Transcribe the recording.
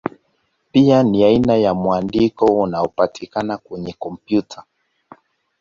Pia ni aina ya mwandiko unaopatikana kwenye kompyuta.